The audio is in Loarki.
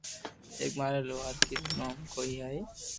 ايڪ ماري لوھارڪي رو ڪوم ڪوئي ھوئي